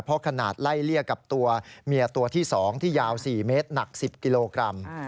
เพราะขนาดไล่เลี่ยกับตัวเมียตัวที่๒ที่ยาว๔เมตรหนัก๑๐กิโลกรัม